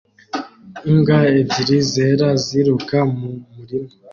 Imbwa ebyiri zera ziruka mu murima